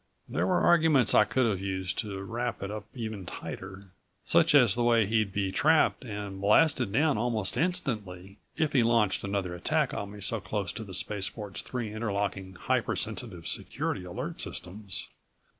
There were arguments I could have used to wrap it up even tighter such as the way he'd be trapped and blasted down almost instantly if he launched another attack on me so close to the spaceport's three interlocking, hyper sensitive security alert systems.